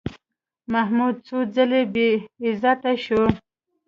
محمود څو ځله بېعزتي شو.